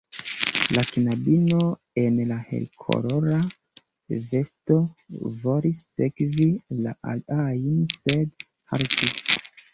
La knabino en la helkolora vesto volis sekvi la aliajn, sed haltis.